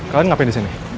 kalian ngapain di sini